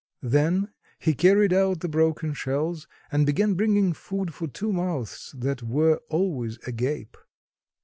Then he carried out the broken shells and began bringing food for two mouths that were always agape.